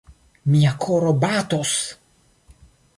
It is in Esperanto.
Mia koro batos!